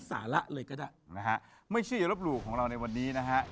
สาระเลยก็ได้นะฮะไม่เชื่ออย่าลบหลู่ของเราในวันนี้นะฮะ